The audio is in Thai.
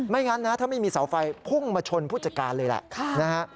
ไม่งั้นถ้าไม่มีเสาไฟพุ่งมาชนผู้จัดการเลยแหละ